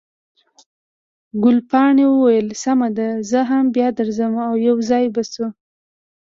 ګلپاڼې وویل، سمه ده، زه هم بیا درځم، او یو ځای به شو.